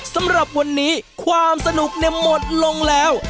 สำหรับวันนี้ความสนุกหมดลงแล้ว